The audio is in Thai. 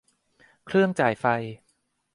เครื่องจ่ายไฟ